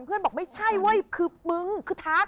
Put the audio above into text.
บอกไม่ใช่เว้ยคือมึงคือทัก